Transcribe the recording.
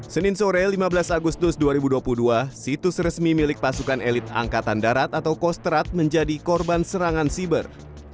senin sore lima belas agustus dua ribu dua puluh dua situs resmi milik pasukan elit angkatan darat atau kostrat menjadi korban serangan siber